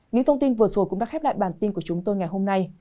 những thông tin vừa rồi cũng đã khép lại bản tin của chúng tôi ngày hôm nay